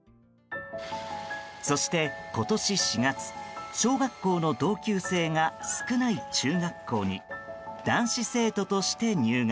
そして、今年４月小学校の同級生が少ない中学校に男子生徒として入学。